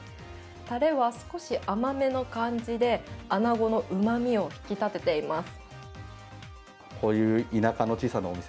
タレは少し甘めの感じで、あなごのうまみを引き立てています。